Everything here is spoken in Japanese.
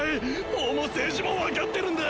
法も政治も分かってるんだ！